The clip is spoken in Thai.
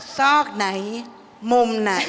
ซอกไหนมุมไหน